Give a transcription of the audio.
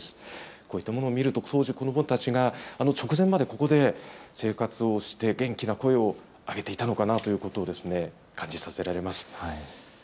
こういったものを見ると、当時子どもたちが直前まで、ここで生活をして、元気な声を上げていたのかなということをですね、感じさせられます。